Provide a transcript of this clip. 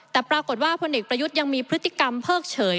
แต่ปรากฏว่าพลเอกประยุทธ์ยังมีพฤติกรรมเพิกเฉย